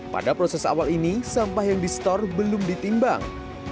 pada proses awal ini sampah yang di store belum ditimbang